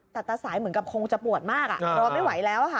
แต่ตาสายเหมือนกับคงจะปวดมากรอไม่ไหวแล้วค่ะ